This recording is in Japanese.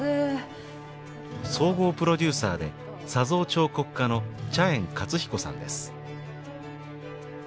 総合プロデューサーで砂像彫刻家の茶圓勝彦さんです。